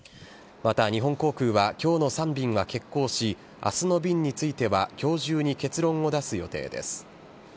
また、日本航空はきょうの３便は欠航し、あすの便については、きょう中に結論を出す予定です。